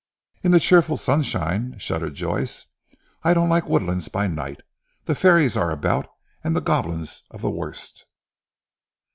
"In the cheerful sunshine," shuddered Joyce. "I don't like woodlands by night. The fairies are about and goblins of the worst.